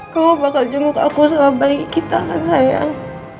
kamu bakal jemput aku sama bayi kita kan sayang